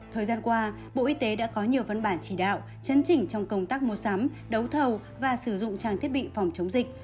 thời gian qua bộ y tế đã có nhiều văn bản chỉ đạo chấn chỉnh trong công tác mua sắm đấu thầu và sử dụng trang thiết bị phòng chống dịch